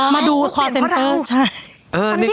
มาดูคอร์เซ็นเตอร์